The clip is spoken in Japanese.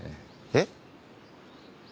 えっ？